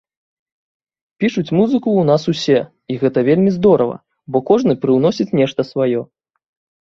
Пішуць музыку ў нас усе, і гэта вельмі здорава, бо кожны прыўносіць нешта сваё.